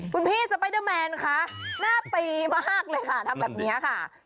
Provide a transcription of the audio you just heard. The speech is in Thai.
คุณพี่สไปเดอร์แมนคะหน้าตีมากเลยค่ะทำแบบนี้ค่ะ